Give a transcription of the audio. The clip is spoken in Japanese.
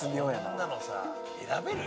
こんなのさ選べる？